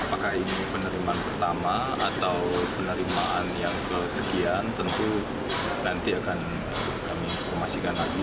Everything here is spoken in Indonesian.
apakah ini penerimaan pertama atau penerimaan yang kesekian tentu nanti akan kami informasikan lagi